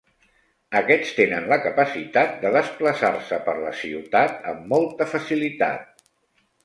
Aquests tenen la capacitat de desplaçar-se per la ciutat amb molta facilitat.